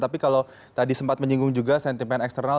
tapi kalau tadi sempat menyinggung juga sentimen eksternal